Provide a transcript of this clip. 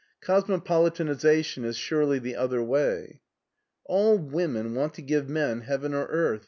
Cosmopolitanization is surely the other way." "All women want to give men heaven or earth.